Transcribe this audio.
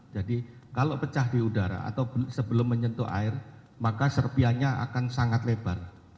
jadi kalau pecah di udara atau sebelum menyentuh air maka serpiannya akan sangat lebar